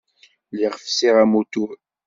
Lliɣ fessiɣ amutur.